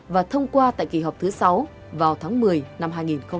và thông qua tại kỳ họp thứ sáu vào tháng một mươi năm hai nghìn hai mươi ba